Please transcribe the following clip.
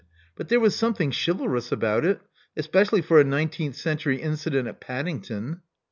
But there was something chivalrous about it, especially for a nineteenth century incident at Paddington."